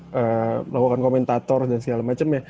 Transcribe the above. melakukan komentator dan segala macamnya